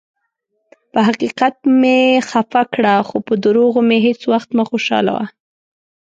پۀ حقیقت مې خفه کړه، خو پۀ دروغو مې هیڅ ؤخت مه خوشالؤه.